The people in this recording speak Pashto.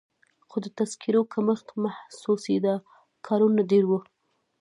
خو د تذکیرو کمښت محسوسېده، کارونه ډېر وو.